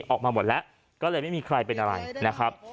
ออกมาหมดแล้วก็เลยไม่มีใครเป็นอะไรนะครับ